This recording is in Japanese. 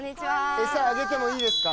エサあげてもいいですか？